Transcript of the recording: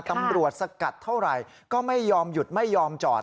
ตำรวจสกัดเท่าไรก็ไม่ยอมหยุดไม่ยอมจอด